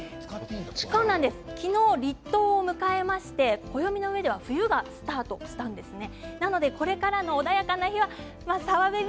昨日、立冬を迎えまして暦の上では冬がスタートしたんですね。